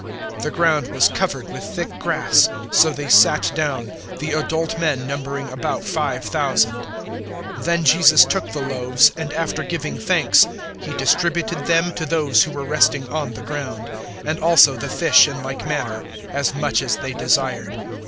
The ground was covered with thick grass; so they sat down, the adult men numbering about 5,000. 006:011 Then Jesus took the loaves, and after giving thanks He distributed them to those who were resting on the ground; and also the fish in like manner as much as they desired.